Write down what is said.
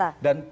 tapi itu bagus